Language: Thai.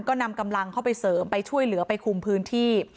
ก็นำกำลังเข้าไปเสริมไปช่วยเหลือไปคุมพื้นที่